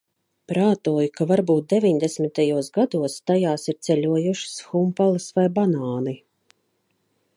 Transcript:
Prātoju, ka varbūt deviņdesmitajos gados tajās ir ceļojušas humpalas vai banāni.